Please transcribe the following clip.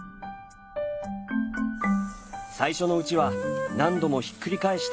最初のうちは何度もひっくり返して日に当てます。